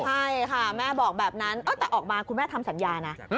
ใช่ค่ะแม่บอกแบบนั้นแต่ออกมาคุณแม่ทำสัญญานะ